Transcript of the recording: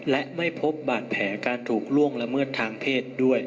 และไม่พบบาดแผลการถูกล่วงละเมิดทางเพศด้วย